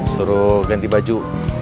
suruh ganti baju